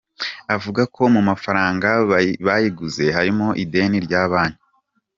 Avuga ko mu mafaranga bayiguze harimo ideni rya banki.